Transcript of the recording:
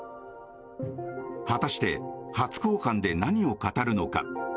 果たして初公判で何を語るのか。